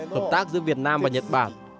hợp tác giữa việt nam và nhật bản